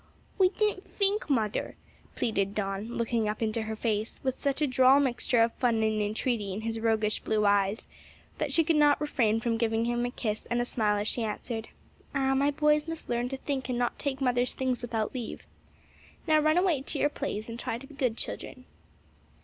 "We didn't fink, mother," pleaded Don, looking up in her face with such a droll mixture of fun and entreaty in his roguish blue eyes, that she could not refrain from giving him a kiss and a smile as she answered, "Ah, my boys must learn to think and not take mother's things without leave. Now run away to your plays and try to be good children."